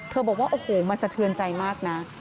บอกว่าโอ้โหมันสะเทือนใจมากนะ